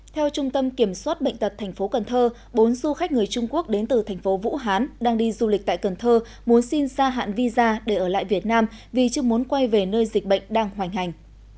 theo trung tâm kiểm soát bệnh tật thành phố cần thơ bốn du khách người trung quốc đến từ thành phố vũ hán đang đi du lịch tại cần thơ muốn xin ra hạn visa để ở lại việt nam vì chưa muốn quay về nơi dịch bệnh đang hoành hành